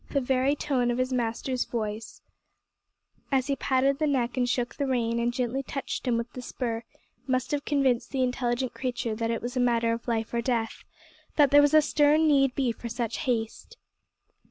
The very tone of his master's voice, as he patted the neck and shook the rein and gently touched him with the spur, must have convinced the intelligent creature that it was a matter of life or death that there was a stern need be for such haste.